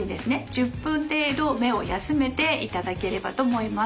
１０分程度目を休めていただければと思います。